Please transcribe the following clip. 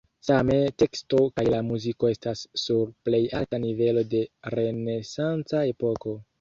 Same teksto kaj la muziko estas sur plej alta nivelo de renesanca epoko.